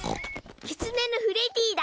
キツネのフレディだ。